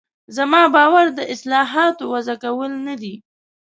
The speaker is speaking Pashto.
زما باور د اصطلاحاتو وضع کول نه دي.